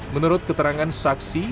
menurut keterangan saksi